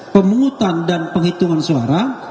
pemungutan dan penghitungan suara